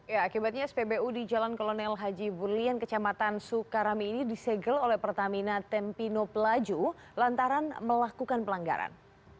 ya akibatnya spbu di jalan kolonel haji bullian kecamatan sukarami ini disegel oleh pertamina tempino pelaju lantaran melakukan pelanggaran